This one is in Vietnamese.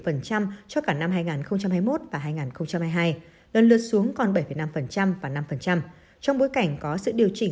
cho cả năm hai nghìn hai mươi một và hai nghìn hai mươi hai lần lượt xuống còn bảy năm và năm trong bối cảnh có sự điều chỉnh